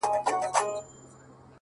څوك چي د سترگو د حيا له دره ولوېږي.!